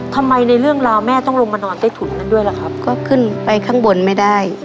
ในเรื่องราวแม่ต้องลงมานอนใต้ถุนนั้นด้วยล่ะครับก็ขึ้นไปข้างบนไม่ได้